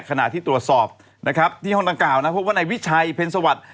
ขณะที่ตรวจสอบนะครับที่ห้องดังกล่าวนะพบว่านายวิชัยเพ็ญสวัสดิ์